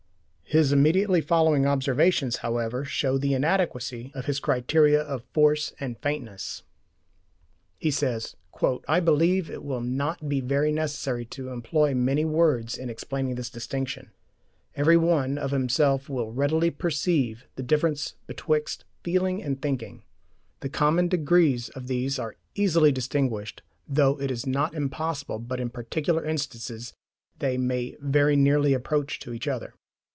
His immediately following observations, however, show the inadequacy of his criteria of "force" and "faintness." He says: "I believe it will not be very necessary to employ many words in explaining this distinction. Every one of himself will readily perceive the difference betwixt feeling and thinking. The common degrees of these are easily distinguished, though it is not impossible but in particular instances they may very nearly approach to each other.